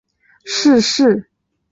是室町时代幕府三管领之一。